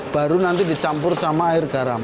baru nanti dicampur sama air garam